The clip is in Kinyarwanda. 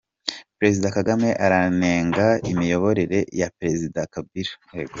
Perezida kagame aranenga imiyoborere ya Perezida Kabila